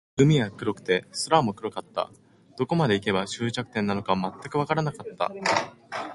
海は黒くて、空も黒かった。どこまで行けば、終着点なのか全くわからなかった。